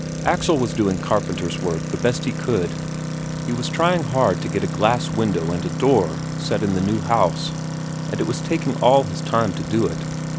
Axel was doing carpenter's work the best he could; he was trying hard to get a glass window and a door set in the new house, and it was taking all his time to do it.